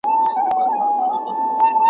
چې د عقل د آیاتو په سر پَل ږدي